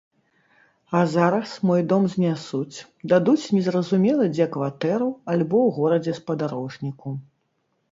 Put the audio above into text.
А зараз мой дом знясуць, дадуць незразумела дзе кватэру альбо ў горадзе-спадарожніку.